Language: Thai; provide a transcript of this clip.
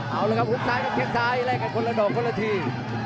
เอาละครับหุบซ้ายกับแข้งซ้ายแลกกันคนละดอกคนละที